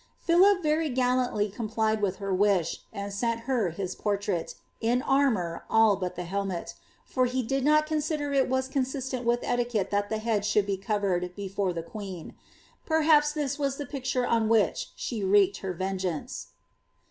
Philip very gallantly complied with her wish, and sent her his portrait, in armour, all but the helmet ; for he did not consider it was consistent with etiquette that the head should be covered betore the queen.* Perhaps this was the picture on which she wreaked her ven geance.